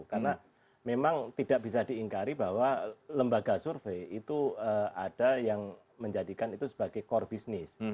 karena memang tidak bisa diingkari bahwa lembaga survei itu ada yang menjadikan itu sebagai core business